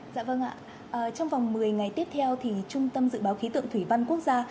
dạ vâng ạ trong vòng một mươi ngày tiếp theo thì trung tâm dự báo khí tượng thủy văn quốc gia